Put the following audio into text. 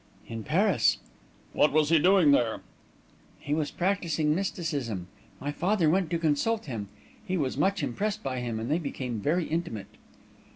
"In Paris." "What was he doing there?" "He was practising mysticism. My father went to consult him; he was much impressed by him, and they became very intimate."